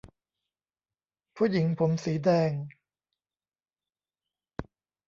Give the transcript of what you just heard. ผู้หญิงผมสีแดง !